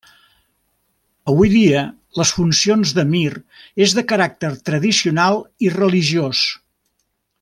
Avui dia, les funcions d'emir és de caràcter tradicional i religiós.